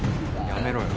やめろよ。